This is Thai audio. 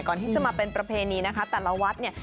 ก่อนที่จะมาเป็นประเพณีนะคะแต่ละวัดเนี่ย